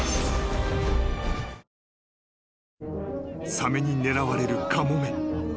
［サメに狙われるカモメ。